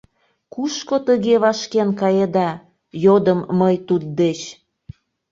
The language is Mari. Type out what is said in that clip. — Кушко тыге вашкен каеда? — йодым мый туддеч.